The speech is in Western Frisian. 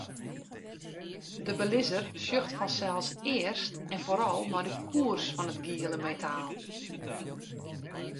De belizzer sjocht fansels earst en foaral nei de koers fan it giele metaal.